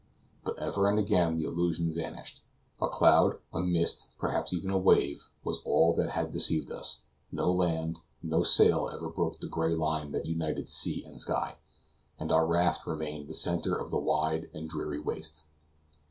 But ever and again the illusion vanished; a cloud, a mist, perhaps even a wave, was all that had deceived us; no land, no sail ever broke the gray line that united sea and sky, and our raft remained the center of the wide and dreary waste.